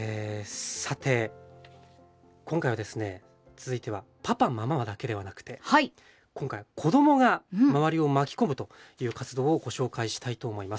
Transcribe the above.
続いてはパパママだけではなくて子どもが周りを巻きこむという活動をご紹介したいと思います。